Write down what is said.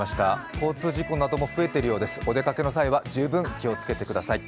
交通事故なども増えているようです、お出かけの際は十分気をつけてください。